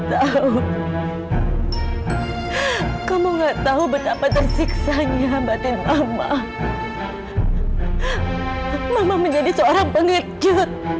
hai kamu nggak tahu betapa tersiksanya batin mama mama menjadi seorang pengerjut